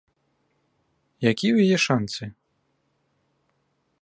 Якія ў яе шанцы?